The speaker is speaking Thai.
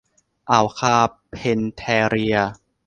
อ่าวคาร์เพนแทเรีย